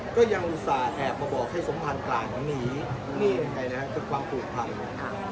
ก็ยังอุตส่าห์แอบมาบอกให้สมพันธ์กลางหนีคือความผูกพันธ์